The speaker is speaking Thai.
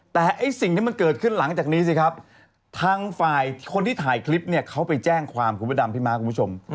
แต่ไอ้สิ่งที่มันเกิดขึ้นหลังจากนี้สิครับทางฝ่ายคนที่ถ่ายคลิปเนี่ยเขาไปแจ้งความคุณพระดำพี่ม้าคุณผู้ชม